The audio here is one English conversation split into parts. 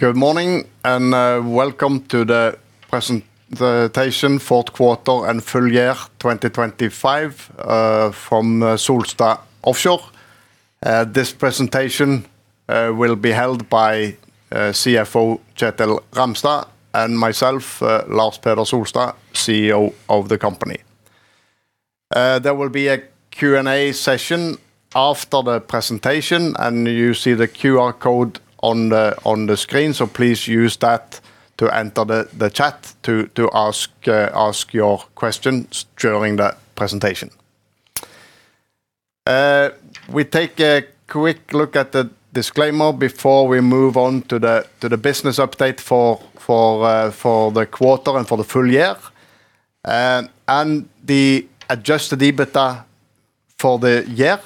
Good morning, and welcome to the presentation, fourth quarter and full year 2025, from Solstad Offshore. This presentation will be held by CFO Kjetil Ramstad and myself, Lars Peder Solstad, CEO of the company. There will be a Q&A session after the presentation, and you see the QR code on the screen, so please use that to enter the chat to ask your questions during the presentation. We take a quick look at the disclaimer before we move on to the business update for the quarter and for the full year. The adjusted EBITDA for the year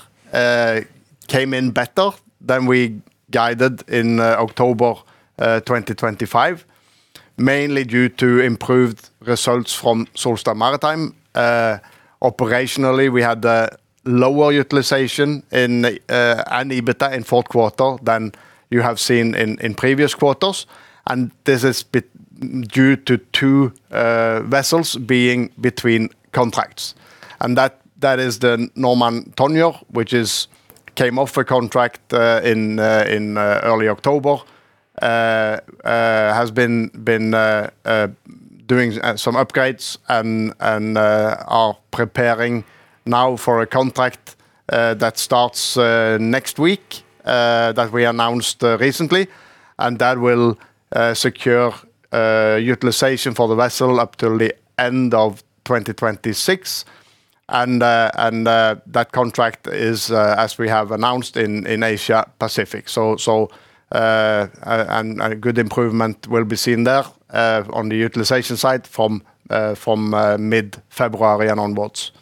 came in better than we guided in October 2025, mainly due to improved results from Solstad Maritime. Operationally, we had a lower utilization in and EBITDA in fourth quarter than you have seen in previous quarters, and this is due to two vessels being between contracts. And that is the Normand Tonjer, which came off a contract in early October. Has been doing some upgrades and are preparing now for a contract that starts next week that we announced recently. And that will secure utilization for the vessel up till the end of 2026. And that contract is, as we have announced, in Asia Pacific. So, a good improvement will be seen there on the utilization side from mid-February and onwards.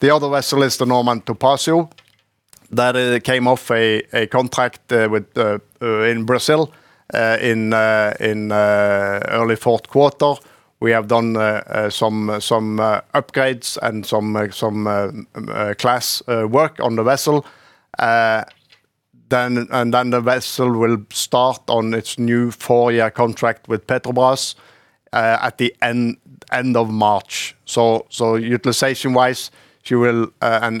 The other vessel is the Normand Topazio that came off a contract with the in Brazil in early fourth quarter. We have done some upgrades and some class work on the vessel. Then the vessel will start on its new four-year contract with Petrobras at the end of March. So utilization-wise, she will and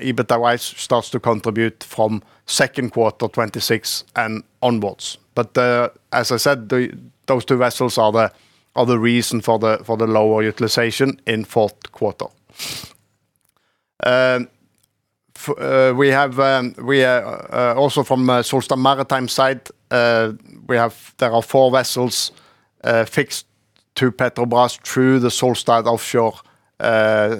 EBITDA-wise starts to contribute from second quarter 2026 and onwards. But as I said, those two vessels are the reason for the lower utilization in fourth quarter. We are also from Solstad Maritime side, we have. There are four vessels fixed to Petrobras through the Solstad Offshore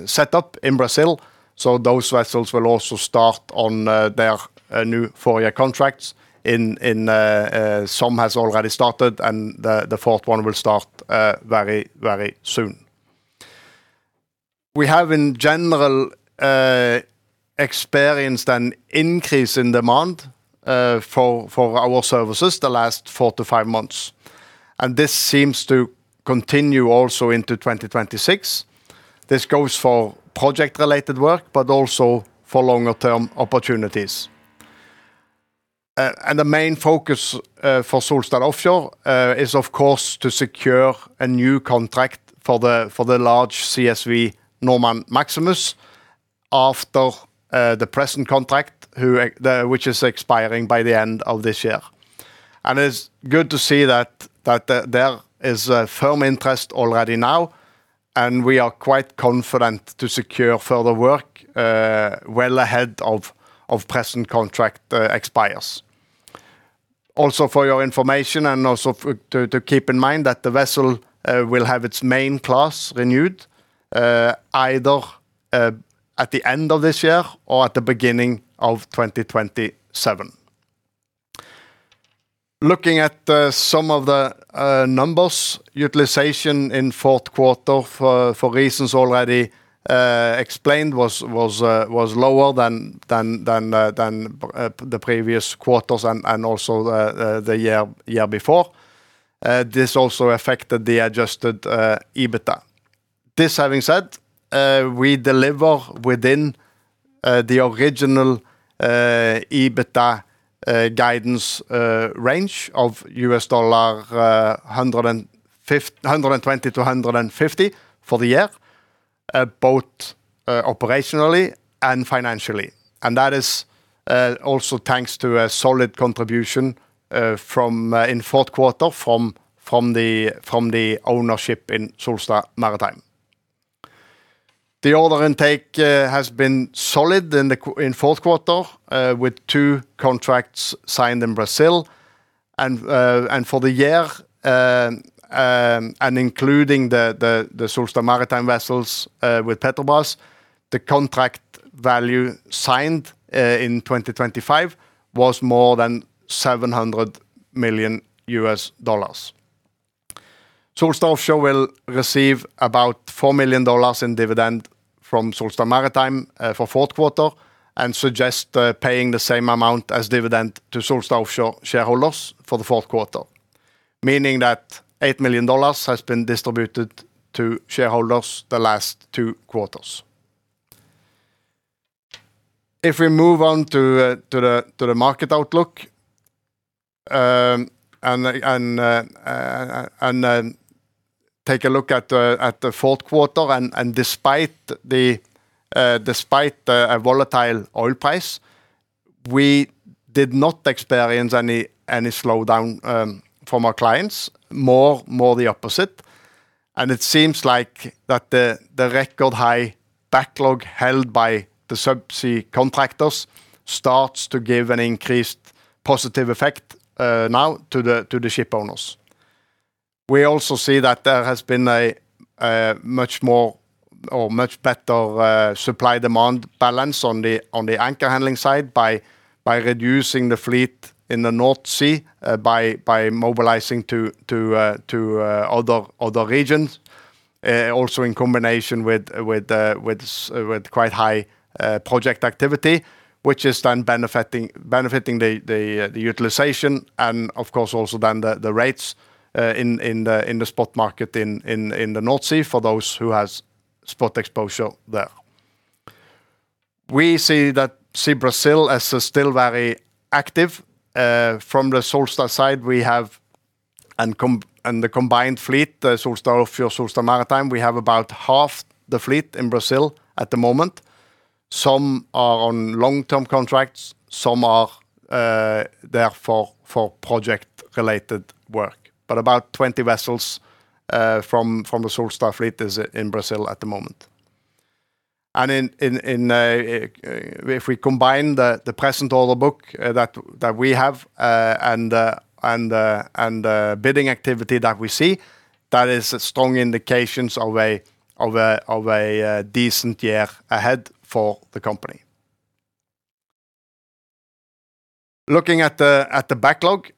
set up in Brazil. Those vessels will also start on their new four-year contracts; some has already started, and the fourth one will start very, very soon. We have in general experienced an increase in demand for our services the last four to five months, and this seems to continue also into 2026. This goes for project-related work, but also for longer-term opportunities. The main focus for Solstad Offshore is, of course, to secure a new contract for the large CSV, Normand Maximus, after the present contract, which is expiring by the end of this year. It's good to see that there is a firm interest already now, and we are quite confident to secure further work well ahead of present contract expires. Also, for your information, and also to keep in mind, that the vessel will have its main class renewed, either at the end of this year or at the beginning of 2027. Looking at some of the numbers, utilization in fourth quarter, for reasons already explained, was lower than the previous quarters and also the year before. This also affected the adjusted EBITDA. This having said, we deliver within the original EBITDA guidance range of US dollar $120-$150 for the year, both operationally and financially. That is also thanks to a solid contribution in fourth quarter from the ownership in Solstad Maritime. The order intake has been solid in fourth quarter with two contracts signed in Brazil. For the year, including the Solstad Maritime vessels with Petrobras, the contract value signed in 2025 was more than $700 million. Solstad Offshore will receive about $4 million in dividend from Solstad Maritime for fourth quarter, and suggest paying the same amount as dividend to Solstad Offshore shareholders for the fourth quarter. Meaning that $8 million has been distributed to shareholders the last two quarters. If we move on to the market outlook, and take a look at the fourth quarter, and despite a volatile oil price, we did not experience any slowdown from our clients. More the opposite. And it seems like the record high backlog held by the subsea contractors starts to give an increased positive effect now to the shipowners. We also see that there has been a much more or much better supply-demand balance on the anchor handling side by reducing the fleet in the North Sea by mobilizing to other regions. Also in combination with quite high project activity, which is then benefiting the utilization and of course also then the rates in the spot market in the North Sea for those who has spot exposure there. We see Brazil as still very active. From the Solstad side, we have and the combined fleet, the Solstad Offshore, Solstad Maritime, we have about half the fleet in Brazil at the moment. Some are on long-term contracts, some are there for project-related work. But about 20 vessels from the Solstad fleet is in Brazil at the moment. If we combine the present order book that we have and bidding activity that we see, that is strong indications of a decent year ahead for the company. Looking at the backlog,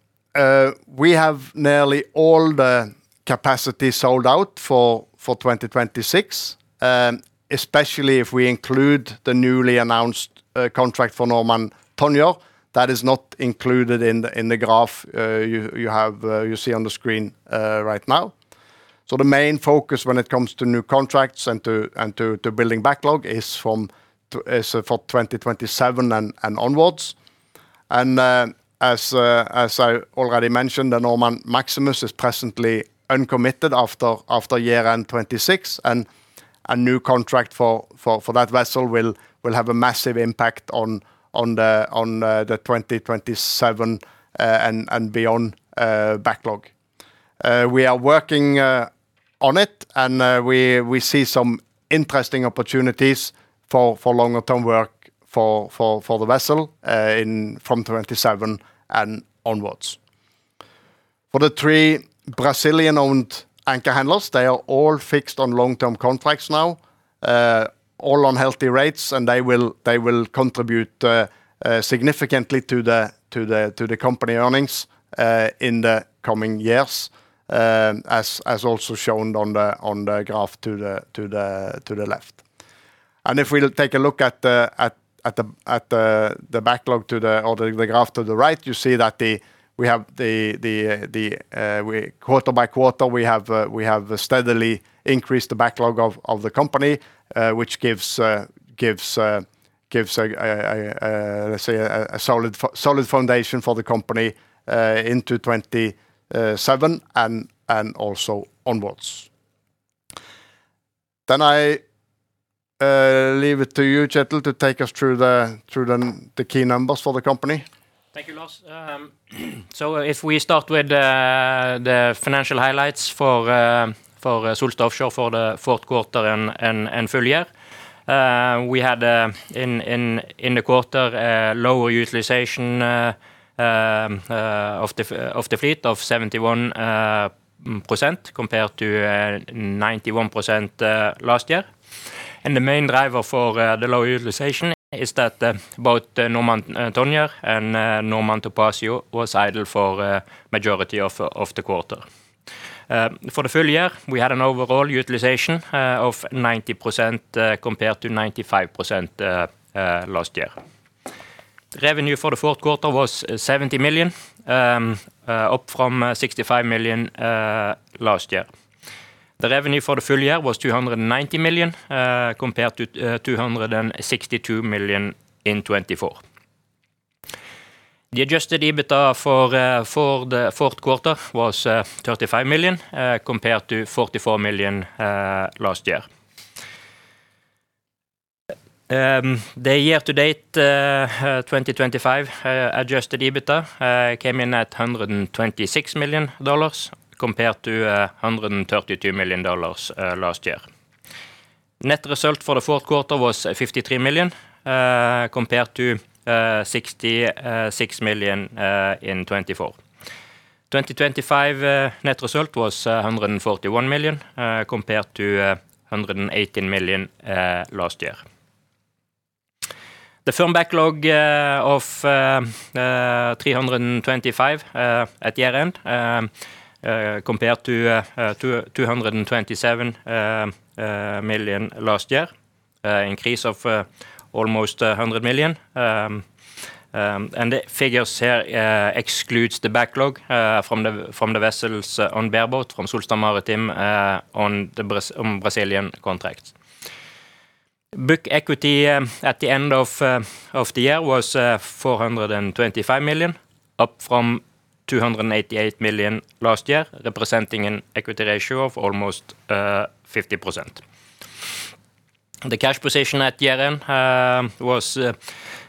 we have nearly all the capacity sold out for 2026. Especially if we include the newly announced contract for Normand Tonjer, that is not included in the graph you see on the screen right now. The main focus when it comes to new contracts and to building backlog is for 2027 and onwards. As I already mentioned, the Normand Maximus is presently uncommitted after year-end 2026, and a new contract for that vessel will have a massive impact on the 2027 and beyond backlog. We are working on it, and we see some interesting opportunities for longer term work for the vessel in from 2027 and onwards. For the 3 Brazilian-owned anchor handlers, they are all fixed on long-term contracts now, all on healthy rates, and they will contribute significantly to the company earnings in the coming years, as also shown on the graph to the left. And if we take a look at the backlog or the graph to the right, you see that we have, quarter by quarter, steadily increased the backlog of the company, which gives, like a, let's say, a solid foundation for the company into 2027 and also onwards. Then I leave it to you, Kjetil, to take us through the key numbers for the company. Thank you, Lars. So if we start with the financial highlights for Solstad Offshore, for the fourth quarter and full year, we had in the quarter lower utilization of the fleet of 71%, compared to 91% last year. And the main driver for the low utilization is that both the Normand Tonjer and Normand Topazio was idle for majority of the quarter. For the full year, we had an overall utilization of 90%, compared to 95% last year. Revenue for the fourth quarter was 70 million up from 65 million last year. The revenue for the full year was 290 million, compared to 262 million in 2024. The adjusted EBITDA for the fourth quarter was 35 million, compared to 44 million last year. The year-to-date 2025 adjusted EBITDA came in at $126 million, compared to $132 million last year. Net result for the fourth quarter was 53 million, compared to 66 million in 2024. 2025 net result was 141 million, compared to 118 million last year. The firm backlog of 325 at year-end compared to 227 million last year, increase of almost 100 million. The figures here excludes the backlog from the vessels on bareboat from Solstad Maritime on the Brazilian contract. Book equity at the end of the year was 425 million, up from 288 million last year, representing an equity ratio of almost 50%. The cash position at year-end was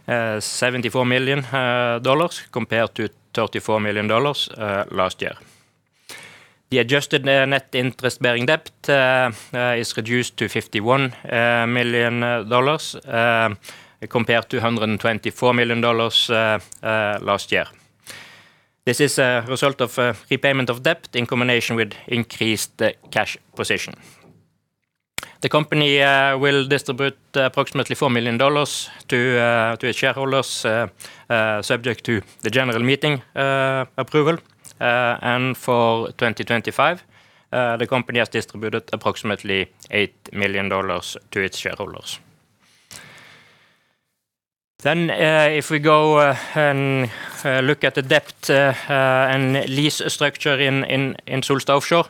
$74 million compared to $34 million last year. The adjusted net interest-bearing debt is reduced to $51 million compared to $124 million last year. This is a result of repayment of debt in combination with increased cash position. The company will distribute approximately $4 million to its shareholders subject to the general meeting approval. And for 2025 the company has distributed approximately $8 million to its shareholders. Then if we go and look at the debt and lease structure in Solstad Offshore,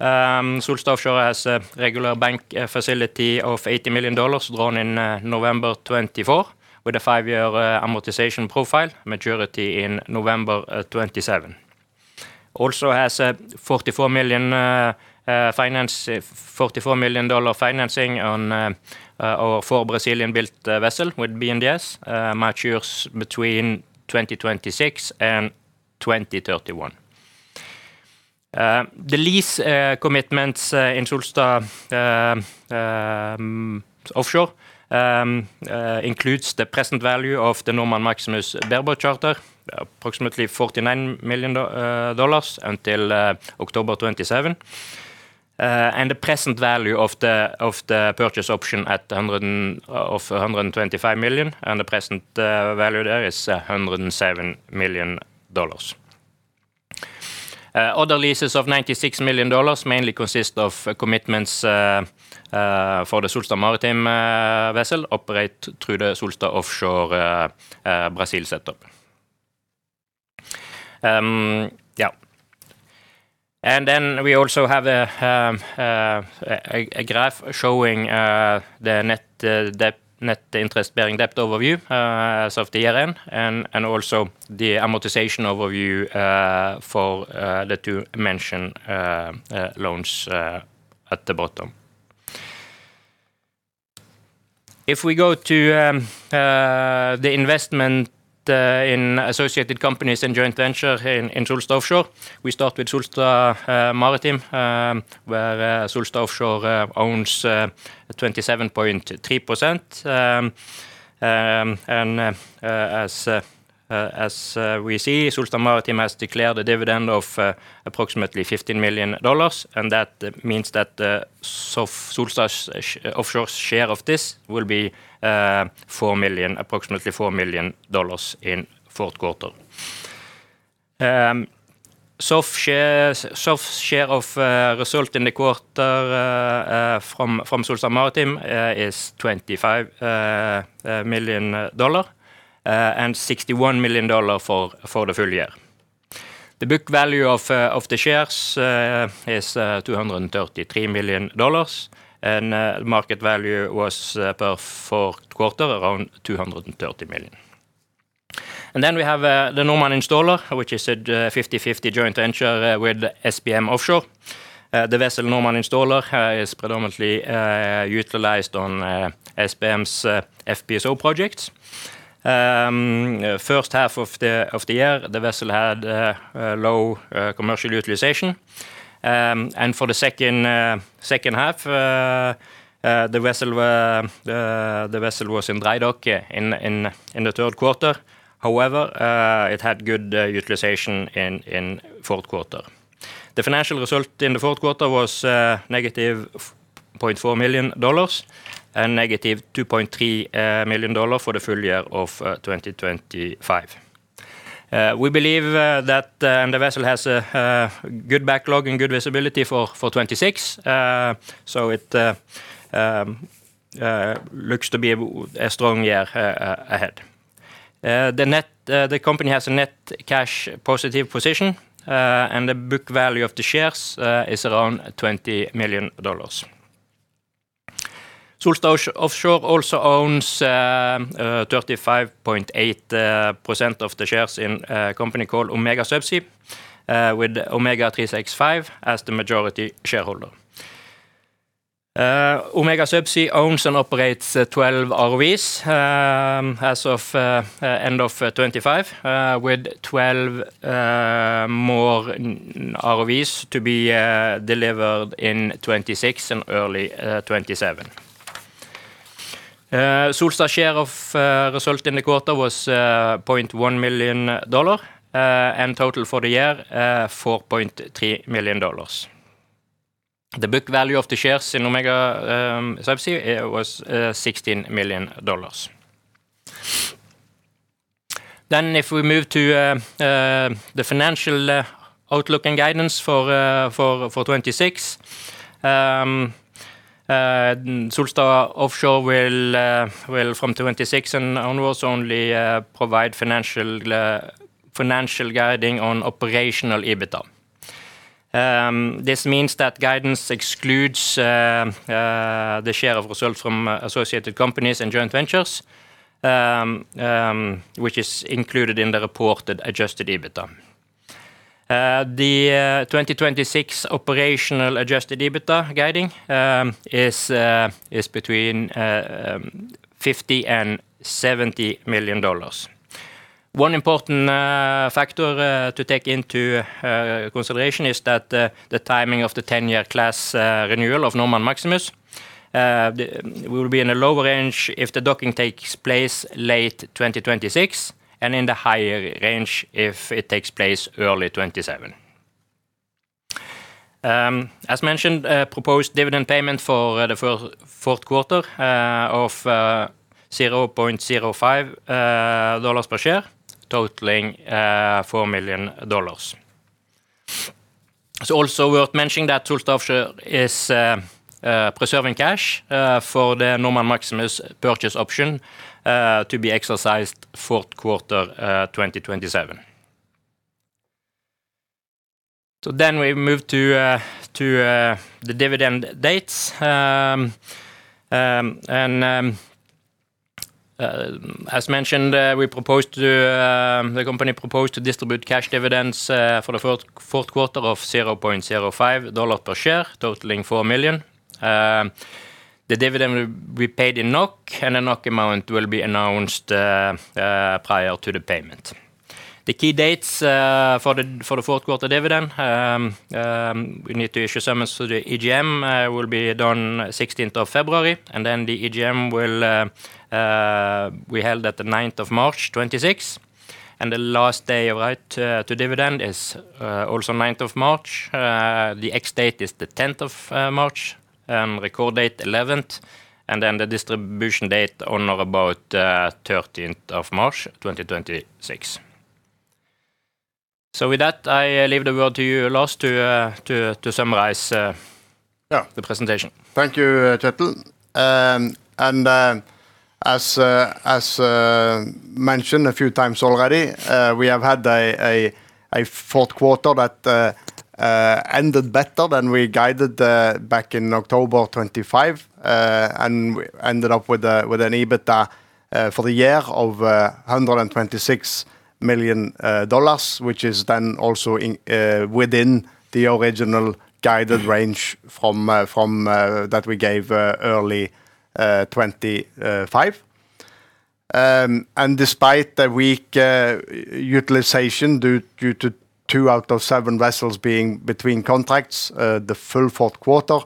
Solstad Offshore has a regular bank facility of $80 million drawn in November 2024, with a 5-year amortization profile maturity in November 2027. Also has a $44 million dollar financing on four Brazilian-built vessel with BNDES, matures between 2026 and 2031. The lease commitments in Solstad Offshore includes the present value of the Normand Maximus bareboat charter, approximately $49 million dollars until October 2027. And the present value of the purchase option at $125 million, and the present value there is $107 million dollars. Other leases of $96 million dollars mainly consist of commitments for the Solstad Maritime vessel operate through the Solstad Offshore Brazil setup. Yeah. And then we also have a graph showing the net debt, net interest bearing debt overview as of the year-end and also the amortization overview for the two mentioned loans at the bottom. If we go to the investment in associated companies and joint venture in Solstad Offshore, we start with Solstad Maritime, where Solstad Offshore owns 27.3%. And as we see, Solstad Maritime has declared a dividend of approximately $15 million, and that means that Solstad Offshore share of this will be approximately $4 million in fourth quarter. Solstad share of result in the quarter from Solstad Maritime is $25 million and $61 million for the full year. The book value of the shares is $233 million, and market value was per fourth quarter around $230 million. Then we have the Normand Installer, which is a 50/50 joint venture with SBM Offshore. The vessel, Normand Installer, is predominantly utilized on SBM's FPSO projects. First half of the year, the vessel had a low commercial utilization. And for the second half, the vessel was in drydock in the third quarter. However, it had good utilization in fourth quarter. The financial result in the fourth quarter was negative $0.4 million and negative $2.3 million for the full year of 2025. We believe that the vessel has a good backlog and good visibility for 2026. So it looks to be a strong year ahead. The company has a net cash positive position, and the book value of the shares is around $20 million. Solstad Offshore also owns 35.8% of the shares in a company called Omega Subsea, with Omega 365 as the majority shareholder. Omega Subsea owns and operates 12 ROVs as of end of 2025 with 12 more ROVs to be delivered in 2026 and early 2027. Solstad share of result in the quarter was $0.1 million and total for the year $4.3 million. The book value of the shares in Omega Subsea was $16 million. Then, if we move to the financial outlook and guidance for 2026, Solstad Offshore will from 2026 and onwards only provide financial guidance on operational EBITDA. This means that guidance excludes the share of results from associated companies and joint ventures which is included in the reported adjusted EBITDA. The 2026 operational adjusted EBITDA guidance is between $50 million and $70 million. One important factor to take into consideration is that the timing of the 10-year class renewal of Normand Maximus will be in a lower range if the docking takes place late 2026, and in the higher range if it takes place early 2027. As mentioned, a proposed dividend payment for the fourth quarter of $0.05 per share, totaling $4 million. It's also worth mentioning that Solstad Offshore is preserving cash for the Normand Maximus purchase option to be exercised fourth quarter 2027. So then we move to the dividend dates. As mentioned, we propose to the company proposed to distribute cash dividends for the fourth quarter of $0.05 per share, totaling $4 million. The dividend will be paid in NOK, and the NOK amount will be announced prior to the payment. The key dates for the fourth quarter dividend, we need to issue summons to the EGM, will be done sixteenth of February, and then the EGM will be held at the ninth of March, 2026. The last day of right to dividend is also ninth of March. The ex-date is the tenth of March, record date, eleventh, and then the distribution date on or about thirteenth of March 2026. So with that, I leave the word to you, Lars, to summarize. Yeah... the presentation. Thank you, Kjetil. As mentioned a few times already, we have had a fourth quarter that ended better than we guided back in October of 2025. And we ended up with an EBITDA for the year of $126 million, which is then also within the original guided range from that we gave early 2025. And despite the weak utilization due to two out of seven vessels being between contracts the full fourth quarter,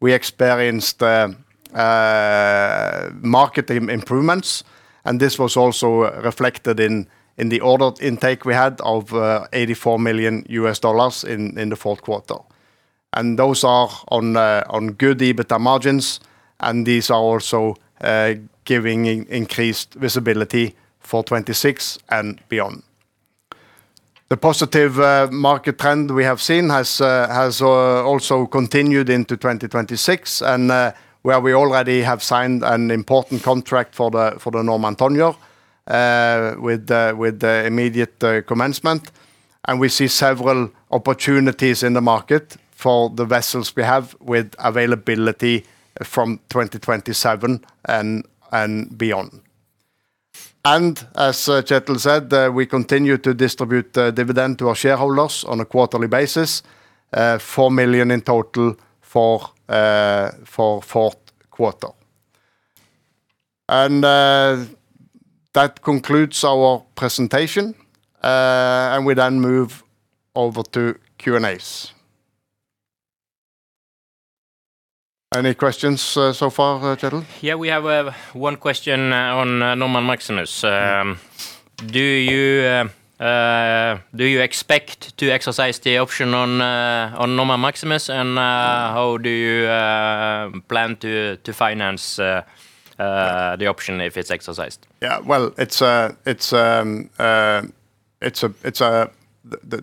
we experienced market improvements, and this was also reflected in the order intake we had of $84 million in the fourth quarter. Those are on good EBITDA margins, and these are also giving increased visibility for 2026 and beyond. The positive market trend we have seen has also continued into 2026, and where we already have signed an important contract for the Normand Tonjer with the immediate commencement. We see several opportunities in the market for the vessels we have with availability from 2027 and beyond. As Kjetil said, we continue to distribute the dividend to our shareholders on a quarterly basis, 4 million in total for fourth quarter. That concludes our presentation, and we then move over to Q&As. Any questions so far, Kjetil? Yeah, we have one question on Normand Maximus. Do you expect to exercise the option on Normand Maximus? And- Mm... how do you plan to finance? Yeah... the option if it's exercised? Yeah. Well, it's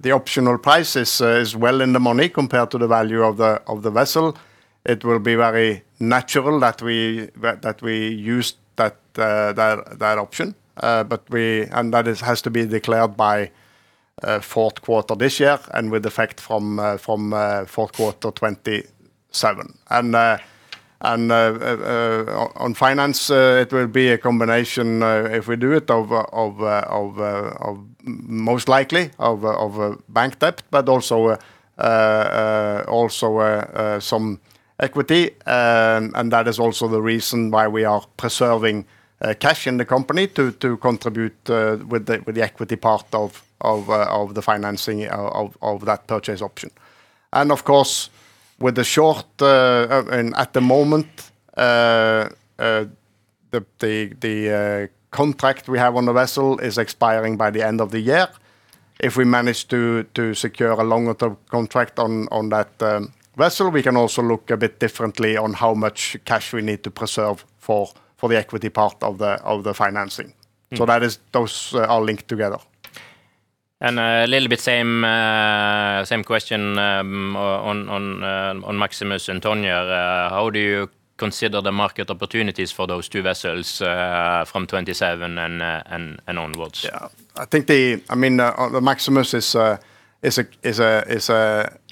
the optional price is well in the money compared to the value of the vessel. It will be very natural that we use that option. But that has to be declared by fourth quarter this year, and with effect from fourth quarter 2027. And on finance, it will be a combination, if we do it, of most likely bank debt, but also some equity. That is also the reason why we are preserving cash in the company to contribute with the equity part of the financing of that purchase option. And of course, with the short. And at the moment, the contract we have on the vessel is expiring by the end of the year. If we manage to secure a longer-term contract on that vessel, we can also look a bit differently on how much cash we need to preserve for the equity part of the financing. Mm. So that is... Those are linked together. A little bit same, same question on Maximus and Tonjer. How do you consider the market opportunities for those two vessels from 2027 onwards? Yeah. I think the Maximus is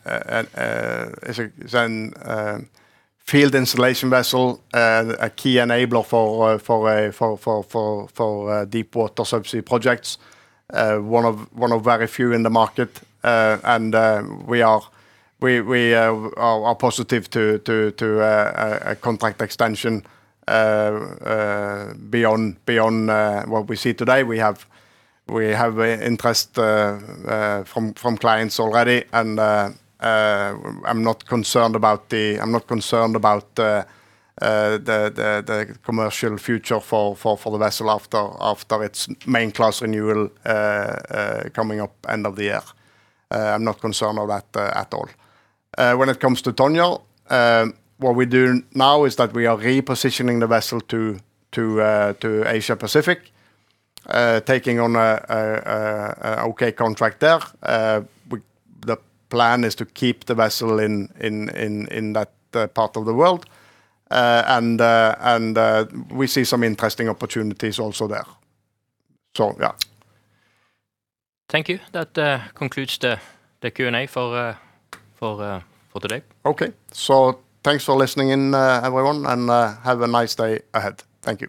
a field installation vessel and a key enabler for deepwater subsea projects. One of very few in the market. And we are positive to a contract extension beyond what we see today. We have an interest from clients already, and I'm not concerned about the commercial future for the vessel after its main class renewal coming up end of the year. I'm not concerned of that at all. When it comes to Tonjer, what we do now is that we are repositioning the vessel to Asia Pacific, taking on a okay contract there. The plan is to keep the vessel in that part of the world. And we see some interesting opportunities also there. So, yeah. Thank you. That concludes the Q&A for today. Okay. So thanks for listening in, everyone, and have a nice day ahead. Thank you.